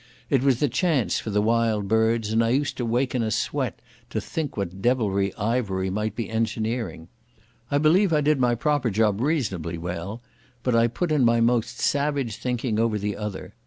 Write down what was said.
It was the chance for the Wild Birds, and I used to wake in a sweat to think what devilry Ivery might be engineering. I believe I did my proper job reasonably well, but I put in my most savage thinking over the other.